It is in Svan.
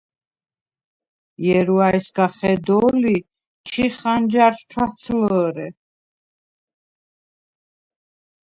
ჲერუ̂ა̈ჲ სგა ხედო̄ლი, ჩი ხანჯარშუ̂ ჩუ̂’აცლჷ̄რე.